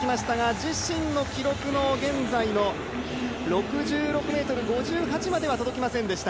自身の記録の現在の６６ｍ５８までは届きませんでした。